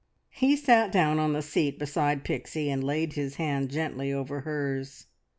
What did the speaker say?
He sat down on the seat beside Pixie, and laid his hand gently over hers.